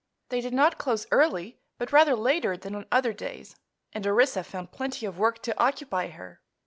They did not close early, but rather later than on other days, and Orissa found plenty of work to occupy her.